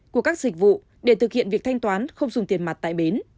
của các dịch vụ để thực hiện việc thanh toán không dùng tiền mặt tại bến